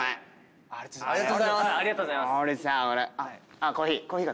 「あっコーヒー。